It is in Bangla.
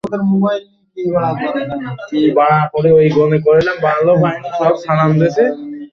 যাদের লিখিত রূপ নেই।